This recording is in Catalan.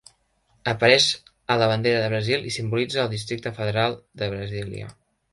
Apareix a la bandera de Brasil i simbolitza el districte federal de Brasília.